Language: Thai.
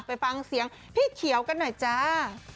ไปฟังเสียงพี่เขียวกันหน่อยจ้า